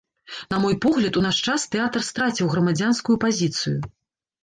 На мой погляд, у наш час тэатр страціў грамадзянскую пазіцыю.